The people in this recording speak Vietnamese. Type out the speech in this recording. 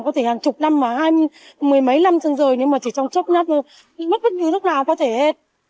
có thể hàng chục năm và hai mươi mấy năm chân rời nhưng mà chỉ trong chốc nhất mất bất cứ lúc nào có thể hết